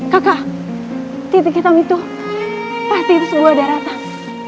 kakak titik hitam itu pasti itu sebuah daratan